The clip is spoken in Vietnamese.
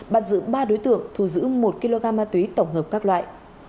bắt giữ ba đối tượng thu giữ một kg ma túy tổng hợp các loại